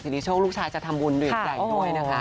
ริโชคลูกชายจะทำบุญด้วยใจด้วยนะคะ